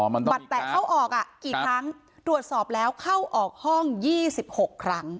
บัตรแตะเข้าออกอ่ะกี่ครั้งตรวจสอบแล้วเข้าออกห้อง๒๖ครั้ง